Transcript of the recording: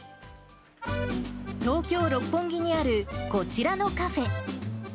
東京・六本木にあるこちらのカフェ。